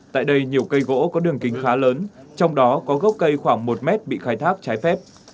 tại đây nhiều cây gỗ có đường kính khá lớn trong đó có gốc cây khoảng một mét bị khai thác trái phép